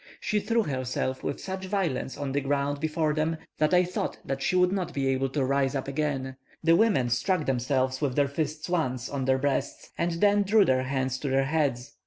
She threw herself with such violence on the ground before them, that I thought she would not be able to rise up again; the women struck themselves with their fists once on their breasts, and then drew their hands to their heads.